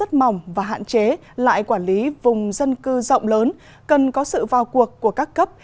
rất mỏng và hạn chế lại quản lý vùng dân cư rộng lớn cần có sự vào cuộc của các cấp